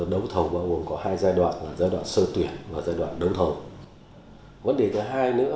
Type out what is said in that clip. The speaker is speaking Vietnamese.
đấu thầu có hai giai đoạn là giai đoạn sơ tuyển và giai đoạn đấu thầu